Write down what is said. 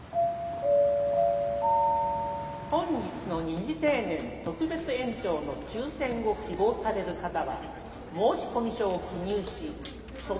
「本日の二次定年特別延長の抽選を希望される方は申込書を記入し所定の窓口まで提出して下さい」。